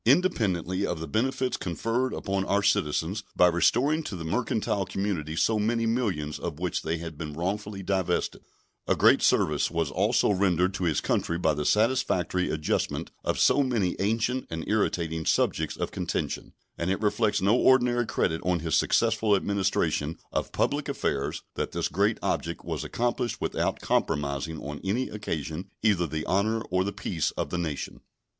Independently of the benefits conferred upon our citizens by restoring to the mercantile community so many millions of which they had been wrongfully divested, a great service was also rendered to his country by the satisfactory adjustment of so many ancient and irritating subjects of contention; and it reflects no ordinary credit on his successful administration of public affairs that this great object was accomplished without compromising on any occasion either the honor or the peace of the nation.